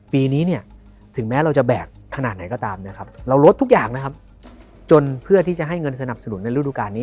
ปีนี้ถึงแม้เราจะแบกขนาดไหนก็ตามเราลดทุกอย่างจนเพื่อที่จะให้เงินสนับสนุนในฤดูกาลนี้